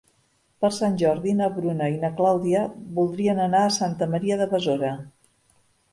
Per Sant Jordi na Bruna i na Clàudia voldrien anar a Santa Maria de Besora.